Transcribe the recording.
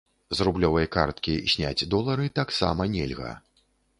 З рублёвай карткі зняць долары таксама нельга.